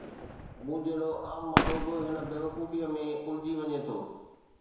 مون جهڙو عام ماڻهو به هن بيوقوفيءَ ۾ الجھجي وڃي ٿو.